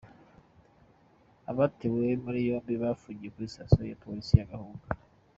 Abatawe muri yombi bafungiye kuri Sitasiyo ya Polisi ya Gahunga.